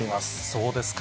そうですか。